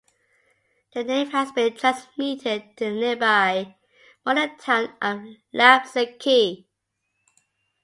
The name has been transmitted in the nearby modern town of Lapseki.